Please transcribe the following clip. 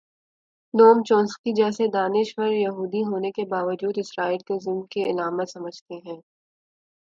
نوم چومسکی جیسے دانش وریہودی ہونے کے باوجود اسرائیل کو ظلم کی علامت سمجھتے ہیں۔